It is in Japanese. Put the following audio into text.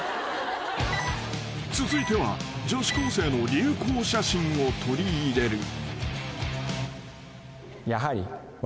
［続いては女子高生の流行写真を取り入れる］